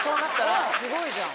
すごいじゃん。